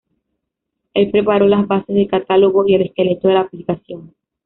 El preparó las bases de catálogo y el esqueleto de la aplicación.